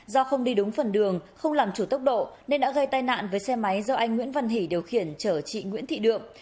do không đi đúng phần đường không làm chủ tốc độ nên đã gây tai nạn với xe máy do anh nguyễn văn hỷ điều khiển chở chị nguyễn thị đượm